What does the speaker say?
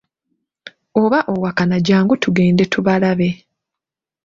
Oba owakana jangu tugende tubalabe.